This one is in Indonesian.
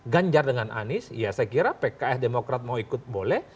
ganjar dengan anies ya saya kira pks demokrat mau ikut boleh